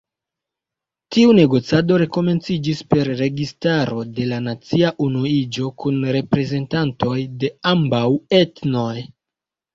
Tiu negocado rekomenciĝis per registaro de la nacia unuiĝo kun reprezentantoj de ambaŭ etnoj.